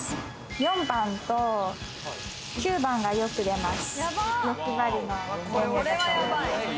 ４番と９番がよく出ます。